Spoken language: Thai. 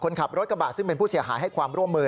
คนขับรถกระบะซึ่งเป็นผู้เสียหายให้ความร่วมมือ